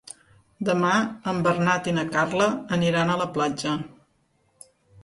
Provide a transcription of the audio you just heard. Demà en Bernat i na Carla aniran a la platja.